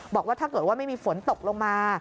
บอกว่าถ้าเกิดว่าไม่มีฝนตกลงมา